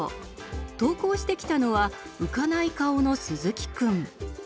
登校してきたのは浮かない顔のスズキくん。